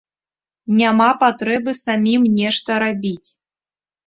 Няма патрэбы самім нешта рабіць.